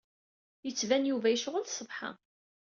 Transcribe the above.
Yettban Yuba yecɣel ṣṣbeḥ-a.